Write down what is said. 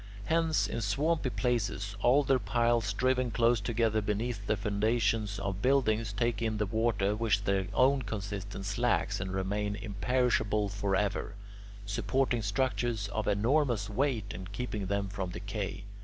Hence, in swampy places, alder piles driven close together beneath the foundations of buildings take in the water which their own consistence lacks and remain imperishable forever, supporting structures of enormous weight and keeping them from decay.